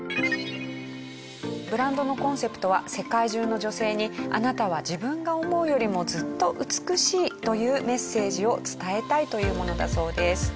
ブランドのコンセプトは世界中の女性に「あなたは自分が思うよりもずっと美しい」というメッセージを伝えたいというものだそうです。